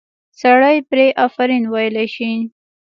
سړی پرې آفرین ویلی شي.